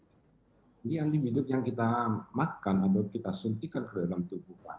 jadi antibiotik yang kita makan atau kita suntikan ke dalam tubuh